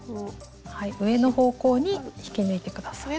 上の方向に引き抜いて下さい。